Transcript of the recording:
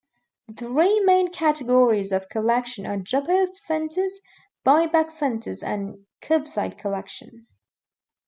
The three main categories of collection are "drop-off centers," "buy-back centers", and "curbside collection.